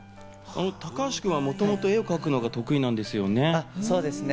高橋君はもともと絵を描くのが得意なんですよね？